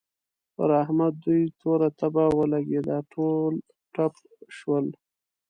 پر احمد دوی توره تبه ولګېده؛ ټول تپ شول.